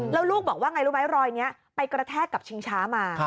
แล้วลูกบอกว่าไงรู้ไหมรอยนี้ไปกระแทกกับชิงช้ามา